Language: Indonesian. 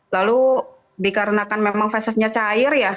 lalu dikarenakan memang fesisnya cair ya